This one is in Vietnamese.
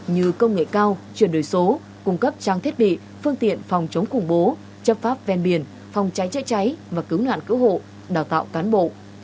như công nghệ cao chuyển đổi số cung cấp trang thiết bị phương tiện phòng chống khủng bố chấp pháp ven biển phòng cháy chữa cháy và cứu nạn cứu hộ đào tạo cán bộ